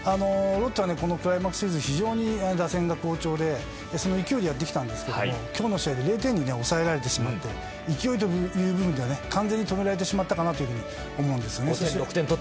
ロッテはクライマックスシリーズ打線が好調でその勢いでやってきたんですが今日の試合で０点に抑えられてしまって勢いという部分では完全に止められてしまったかなと思うんですよね。